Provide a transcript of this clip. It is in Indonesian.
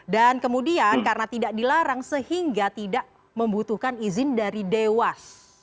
dan kemudian karena tidak dilarang sehingga tidak membutuhkan izin dari dewas